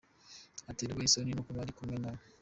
Aterwa isoni no kuba ari kumwe nawe.